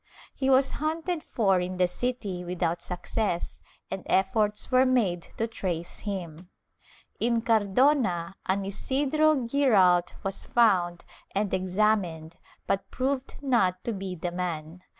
He was hunted for in the city without success and efforts were made to trace him. In Cardona an Isidro Giralt was found and examined but proved not to be the man.